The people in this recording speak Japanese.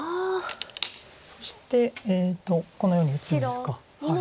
そしてこのように打つんですが。